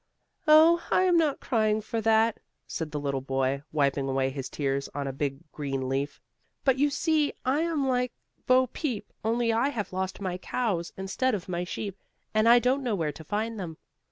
"Oh, I am not crying for that," said the little boy, wiping away his tears on a big green leaf, "but you see I am like Bo peep, only I have lost my cows, instead of my sheep, and I don't know where to find them."